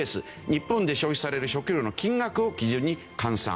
日本で消費される食料の金額を基準に換算。